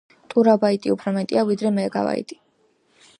ტერაბაიტი უფრო მეტია ვიდრე მეგაიბაიტი.